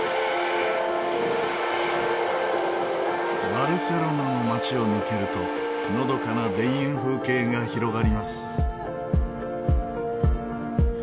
バルセロナの街を抜けるとのどかな田園風景が広がります。